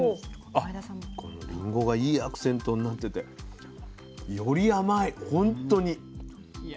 このリンゴがいいアクセントになっててより甘いほんとに。